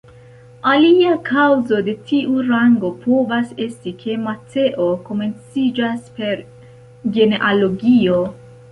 Alia kaŭzo de tiu rango povas esti, ke Mateo komenciĝas per genealogio.